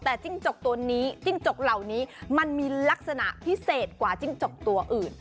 แต่จิ้งจกตัวนี้จิ้งจกเหล่านี้มันมีลักษณะพิเศษกว่าจิ้งจกตัวอื่น